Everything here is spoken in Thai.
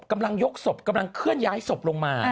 กำลังยกศพกำลังเคลื่อนย้ายศพลงมา